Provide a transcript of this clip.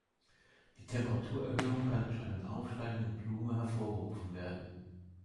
Die Temperaturerhöhung kann durch einen aufsteigenden Plume hervorgerufen werden.